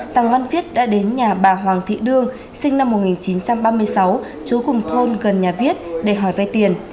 tàng văn viết đã đến nhà bà hoàng thị đương sinh năm một nghìn chín trăm ba mươi sáu chú cùng thôn gần nhà viết để hỏi vay tiền